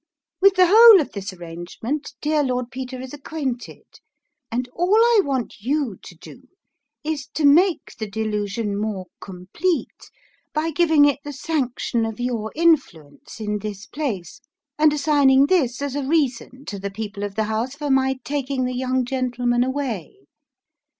" With the whole of this arrangement dear Lord Peter is acquainted ; and all I want you to do, is, to make the delusion more complete by giving it the sanction of your influence in this place, and assigning this as a reason to the people of the house for my taking the young gentleman away.